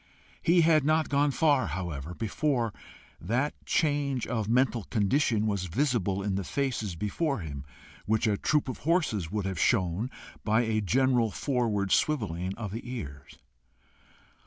He had not gone far, however, before that change of mental condition was visible in the faces before him, which a troop of horses would have shown by a general forward swivelling of the ears.